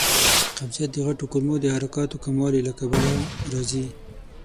قبضیت د غټو کولمو د حرکاتو کموالي له کبله راځي.